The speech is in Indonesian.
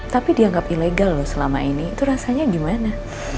tapi dianggap ilegal loh selama ini itu rasanya gimana